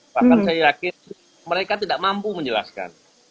bahkan saya yakin mereka tidak mampu menjelaskan